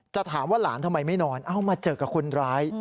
ถามว่าหลานทำไมไม่นอนเอ้ามาเจอกับคนร้าย